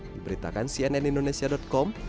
diberitakan cnn indonesia com